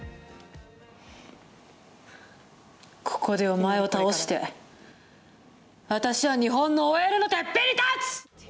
ここでお前を倒して私は日本のＯＬのてっぺんに立つ！